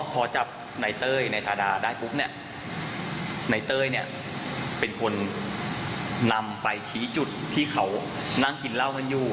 พอจับในเต้ยในทาดาได้ปุ๊บเนี่ยในเต้ยเนี่ยเป็นคนนำไปชี้จุดที่เขานั่งกินเหล้ากันอยู่